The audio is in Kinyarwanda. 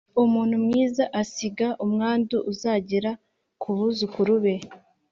umuntu mwiza asiga umwandu uzagera ku buzukuru be